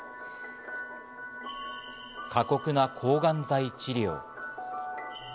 過酷な抗がん剤治療。